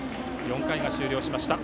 ４回が終了しました。